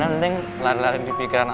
karena neng lari lari dipikiran a'a